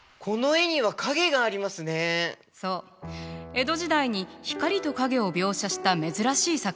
江戸時代に光と影を描写した珍しい作品よ。